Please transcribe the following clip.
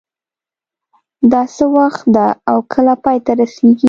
دا څه وخت ده او کله پای ته رسیږي